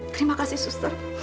terima kasih suster